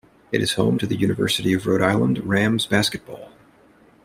It is home to the University of Rhode Island Rams basketball.